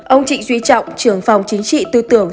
ông trịnh duy trọng trưởng phòng chính trị tư tưởng